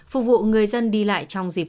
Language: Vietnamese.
phục vụ người dân đi lại trong dịp